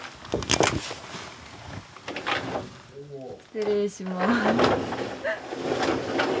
失礼します。